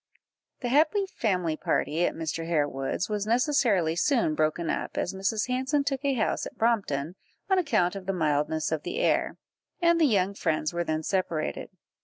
The happy family party at Mr. Harewood's was necessarily soon broken up, as Mrs. Hanson took a house at Brompton, on account of the mildness of the air, and the young friends were then separated.